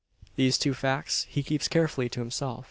These two facts he keeps carefully to himself.